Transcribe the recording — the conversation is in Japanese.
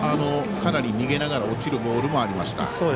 かなり逃げながら落ちるボールもありました。